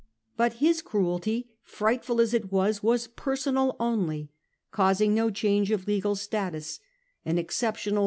But antipathy, his Cruelty, frightful as it was, was personal only, causing no change of legal status, an exceptional CH.